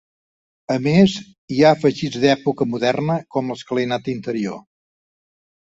A més, hi ha afegits d'època moderna com l'escalinata interior.